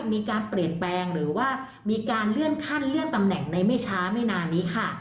มีการเปลี่ยนแปลงหรือว่ามีการเลื่อนขั้นเลื่อนตำแหน่งในไม่ช้าไม่นานนี้ค่ะ